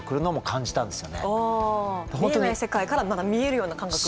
見えない世界からまた見えるような感覚。